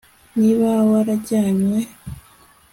niba warajyanywe